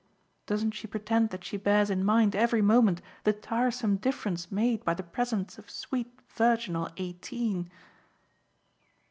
Doesn't she pretend that she bears in mind every moment the tiresome difference made by the presence of sweet virginal eighteen?"